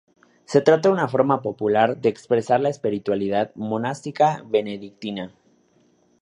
Se trata de una forma popular de expresar la espiritualidad monástica benedictina.